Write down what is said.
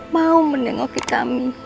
mau menengok kita